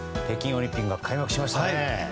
北京オリンピックが開幕しましたね。